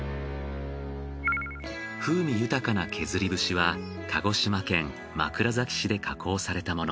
風味豊かな削り節は鹿児島県枕崎市で加工されたもの。